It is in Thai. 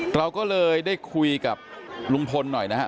เราก็เลยได้คุยกับลุงพลหน่อยนะฮะ